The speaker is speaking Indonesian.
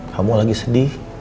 kamu lagi sedih